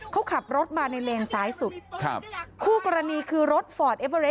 เขาขับรถมาในเลนซ้ายสุดครับคู่กรณีคือรถฟอร์ดเอเวอเรส